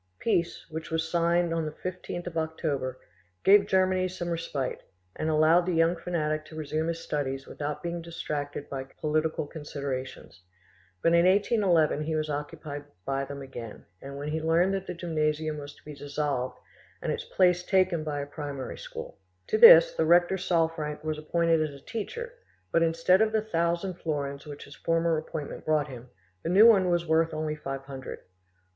Peace, which was signed an the 15th of October, gave Germany some respite, and allowed the young fanatic to resume his studies without being distracted by political considerations; but in 1811 he was occupied by them again, when he learned that the gymnasium was to be dissolved and its place taken by a primary school. To this the rector Salfranck was appointed as a teacher, but instead of the thousand florins which his former appointment brought him, the new one was worth only five hundred.